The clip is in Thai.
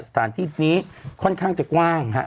สถานที่นี้ค่อนข้างจะกว้างฮะ